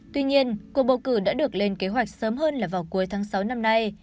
tuy nhiên cuộc bầu cử đã được lên kế hoạch sớm hơn là vào cuối tháng sáu năm nay